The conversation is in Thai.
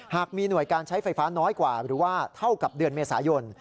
หากมีหน่วยการใช้ไฟฟ้าน้อยกว่าหรือว่าเท่ากับเดือนเมษายน